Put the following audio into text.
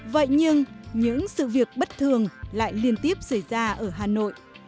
vậy nhưng những sự việc bất thường lại liên tiếp xảy ra ở hà nội